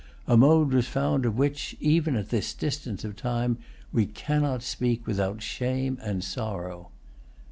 A mode was found of which, even at this distance of time, we cannot speak without shame and sorrow.